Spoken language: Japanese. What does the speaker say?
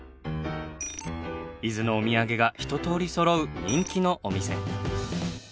伊豆のお土産がひととおりそろう人気のお店。